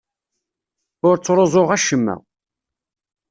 Ur ttruẓuɣ acemma.